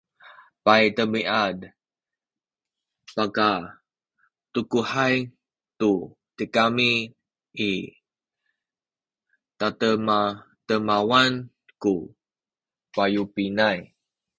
paydemiad pakatukuhay tu tigami i tademademawan ku payubinay